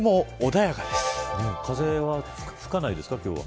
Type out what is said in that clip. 風は吹かないですか、今日は。